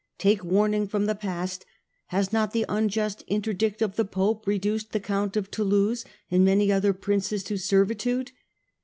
" Take warning from the past. Has not the unjust interdict of the Pope reduced the Count of Toulouse and many other princes to servitude